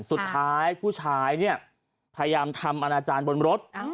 สุดท้ายผู้ชายเนี่ยพยายามทำอนาจารย์บนรถ